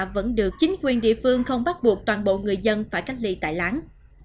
vẫn được chính quyền địa phương không bắt buộc toàn bộ người dân phải cách ly tại láng